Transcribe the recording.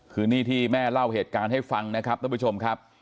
คือนี่ที่แม่เล่าเหตุการณ์ให้ฟังนะครับท่านผู้ชมครับ